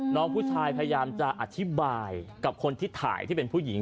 น้องผู้ชายพยายามจะอธิบายกับคนที่ถ่ายที่เป็นผู้หญิง